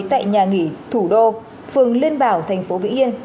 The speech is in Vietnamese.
tại nhà nghị thủ đô phường liên bảo thành phố vĩ yên